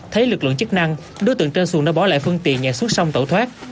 thấy lực lượng chức năng đối tượng trên xuồng đã bỏ lại phương tiện nhà xuất xong tẩu thoát